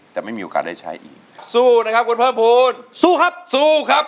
ไม่มีโอกาสได้ใช้อีกสู้นะครับคุณเพิ่มภูมิสู้ครับสู้ครับ